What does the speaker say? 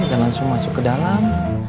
dan langsung masuk ke dalam